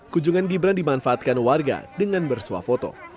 kunjungan gibran dimanfaatkan warga dengan bersuah foto